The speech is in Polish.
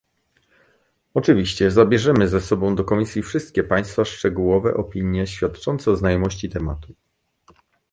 Oczywiście zabierzemy ze sobą do Komisji wszystkie państwa szczegółowe opinie, świadczące o znajomości tematu